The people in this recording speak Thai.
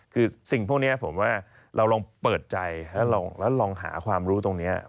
คือสิ่งพวกนี้ผมว่าเราลองเปิดใจแล้วลองหาความรู้ตรงนี้